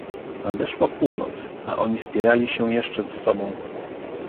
Nadeszła północ, a oni spierali się jeszcze z sobą.